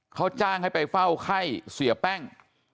เขาจ้างให้ไปเฝ้าไข้เสียแป้ง